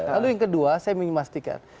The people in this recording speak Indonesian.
lalu yang kedua saya ingin memastikan